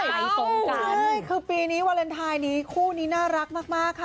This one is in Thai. ใช่คือปีนี้วาเลนไทยนี้คู่นี้น่ารักมากค่ะ